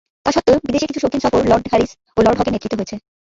তাস্বত্ত্বেও বিদেশে কিছু শৌখিন সফর লর্ড হ্যারিস ও লর্ড হকের নেতৃত্বে হয়েছে।